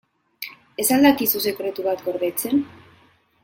Ez al dakizu sekretu bat gordetzen?